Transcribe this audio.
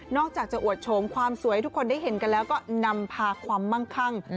อกจากจะอวดโฉมความสวยให้ทุกคนได้เห็นกันแล้วก็นำพาความมั่งคั่ง